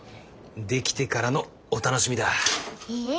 出来てからのお楽しみだ。え！